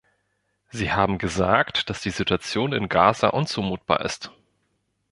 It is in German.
Sie haben gesagt, dass die Situation in Gaza unzumutbar ist.